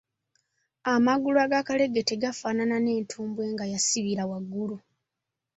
Amagulu agakalegete gafaanana n’entumbwe nga yasibira waggulu.